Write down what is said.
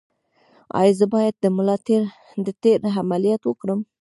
ایا زه باید د ملا د تیر عملیات وکړم؟